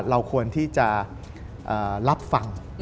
เราควรที่จะรับฟัง